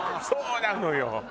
そうなのよ。